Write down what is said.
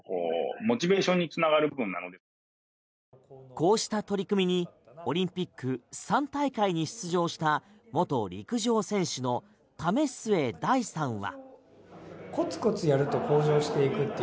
こうした取り組みにオリンピック３大会に出場した元陸上選手の為末大さんは。